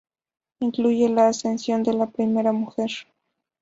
Incluye la ascensión de la primera mujer.